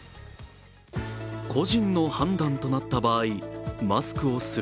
個人の判断となった場合、マスクをする？